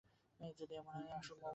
যদি এমন হয়, অমল মন্দাকে ভালোবাসে।